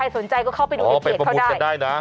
สนใจก็เข้าไปดูวิเศษเขาได้อ๋อเป็นประมูลก็ได้นะ